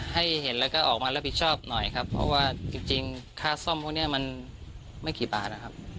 ให้เห็นแล้วก็ออกมารับผิดชอบหน่อยครับเพราะว่าจริงค่าซ่อมพวกนี้มันไม่กี่บาทนะครับ